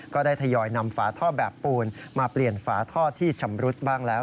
ทยอยนำฝาท่อแบบปูนมาเปลี่ยนฝาท่อที่ชำรุดบ้างแล้ว